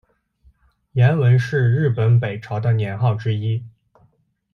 延文是日本北朝的年号之一。